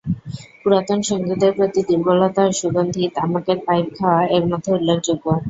পুরাতন সঙ্গীতের প্রতি দুর্বলতা আর সুগন্ধি তামাকের পাইপ খাওয়া এর মধ্যে উল্লেখযোগ্য।